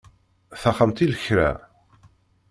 Taxxamt i lekra.